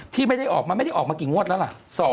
ที่ไม่ได้ออกมาไม่ได้ออกมากี่งวดแล้วล่ะ